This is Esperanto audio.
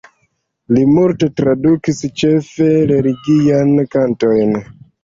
Li multe tradukis, ĉefe religiajn kantojn.